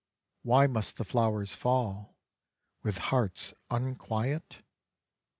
•, Why must the flowers fall With hearts unquiet ?"